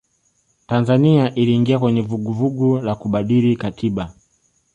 tanzania iliingia kwenye vuguvugu la kubadili katiba